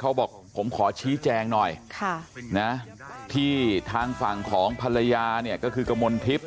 เขาบอกผมขอชี้แจงหน่อยที่ทางฝั่งของภรรยาเนี่ยก็คือกระมวลทิพย์